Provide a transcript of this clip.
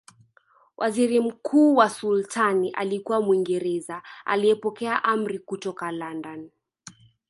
Waziri mkuu wa Sultani alikuwa Mwingereza aliyepokea amri kutoka London